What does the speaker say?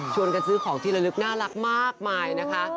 กันซื้อของที่ละลึกน่ารักมากมายนะคะ